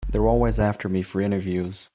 They're always after me for interviews.